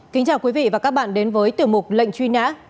kính chào quý vị và các bạn đến với tiểu mục lệnh truy nã